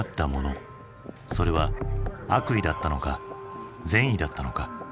それは悪意だったのか善意だったのか。